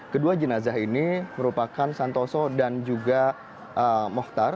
kedua jenazah ini merupakan santoso dan juga mohtar